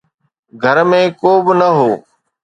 گهر ۾ ڪو به نه هو.